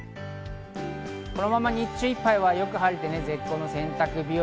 このまま日中いっぱいは、よく晴れて絶好の洗濯日和。